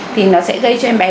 thì nó sẽ gây cho em bị suy giảm